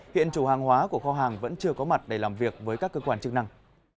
hiện chủ hàng hóa của kho hàng vẫn chưa có mặt để làm việc với các cơ quan chức năng